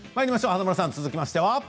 華丸さん、続きましては。